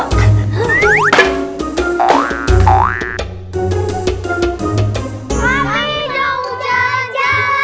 kami mau jalan jalan